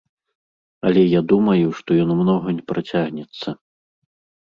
Але я думаю, што ён многа не працягнецца.